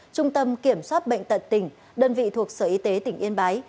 trung tâm kiểm soát bệnh tật tỉnh đơn vị thuộc sở y tế tỉnh yên bái